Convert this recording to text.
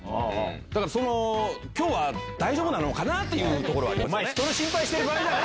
だからきょうは大丈夫なのかな？っていうところはあるね。